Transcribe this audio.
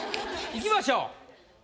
いきましょう。